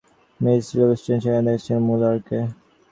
Miss Silverstone সেখানে দেখেছেন মুলারকে।